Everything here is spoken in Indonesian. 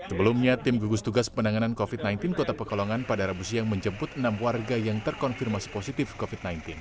sebelumnya tim gugus tugas penanganan covid sembilan belas kota pekalongan pada rabu siang menjemput enam warga yang terkonfirmasi positif covid sembilan belas